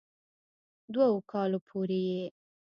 دوؤ کالو پورې ئې